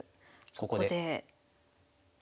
ここで。